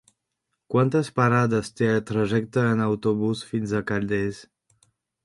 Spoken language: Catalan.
Quantes parades té el trajecte en autobús fins a Calders?